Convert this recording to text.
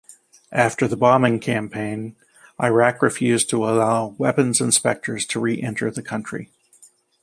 After the bombing campaign, Iraq refused to allow weapons inspectors to re-enter the country.